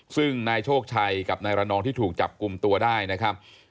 ซึ่งนายโชคชัยกับนายระนองที่ถูกจับกลุ่มตัวได้นะครับ